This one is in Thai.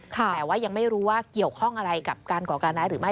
แต่ว่ายังไม่รู้ว่าเกี่ยวข้องอะไรกับการก่อการร้ายหรือไม่